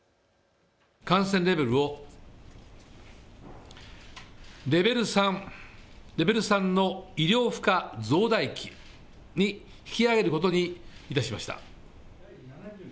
感染レベルをレベル３、レベル３の医療負荷増大期に引き上げることにいたしました。